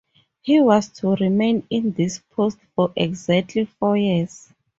He was to remain in this post for exactly four years.